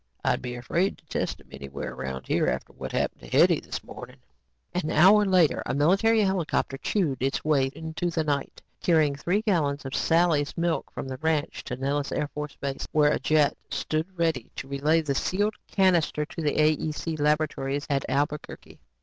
I'd be afraid to test 'em anywhere around here after what happened to Hetty this morning." An hour later, a military helicopter chewed its way into the night, carrying three gallons of Sally's milk from the ranch to Nellis AFB where a jet stood ready to relay the sealed cannister to the AEC laboratories at Albuquerque.